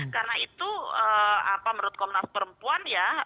karena itu apa menurut komnas perempuan ya